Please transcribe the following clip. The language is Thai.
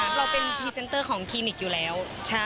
เราเป็นพรีเซนเตอร์ของคลินิกอยู่แล้ว